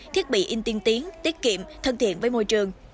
thiết bị in tiên tiến tiết kiệm thân thiện với môi trường